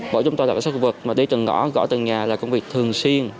bọn chúng tôi là các sức vực mà đi từng ngõ gọi từng nhà là công việc thường xuyên